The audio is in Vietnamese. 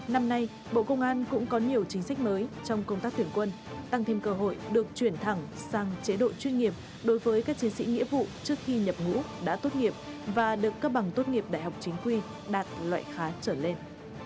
năm nay bộ công an cũng có nhiều chính sách mới trong công tác tuyển quân tăng thêm cơ hội được chuyển thẳng sang chế độ chuyên nghiệp đối với các chiến sĩ nghĩa vụ trước khi nhập ngũ đã tốt nghiệp và được cấp bằng tốt nghiệp đại học chính quy đạt loại khá trở lên